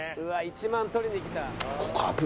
１万取りにきた」